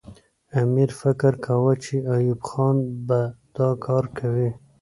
امیر فکر کاوه چې ایوب خان به دا کار کوي.